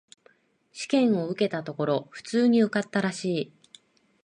試験を受けたところ、普通に受かったらしい。